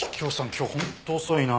今日ホント遅いな。